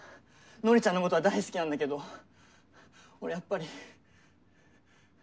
典ちゃんのことは大好きなんだけど俺やっぱり。